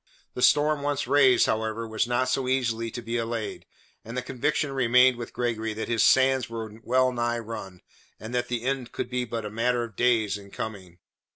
The storm once raised, however, was not so easily to be allayed, and the conviction remained with Gregory that his sands were well nigh run, and that the end could be but a matter of days in coming.